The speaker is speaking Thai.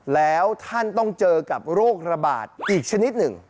แล้วท่านต้องเจอกับโรคระบาดอีกชนิดหนึ่ง